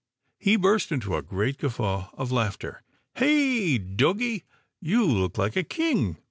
He burst into a great guffaw of laughter, " Hey, doggie, you look like a king."